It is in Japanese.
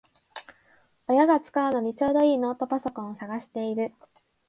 親が使うのにちょうどいいノートパソコンを探してる